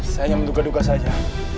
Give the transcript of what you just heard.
sayangnya menduga duga saja